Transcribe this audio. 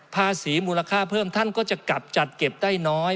มูลค่าเพิ่มท่านก็จะกลับจัดเก็บได้น้อย